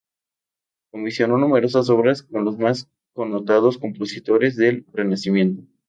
Comisionó numerosas obras con los más connotados compositores del Renacimiento.